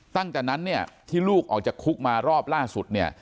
ตั้งแต่นั้นเนี่ยที่ลูกออกจากคุกมารอบล่าสุดเนี่ย